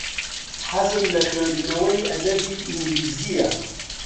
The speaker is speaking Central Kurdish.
حەزم لە خوێندنەوەی ئەدەبی ئینگلیزییە.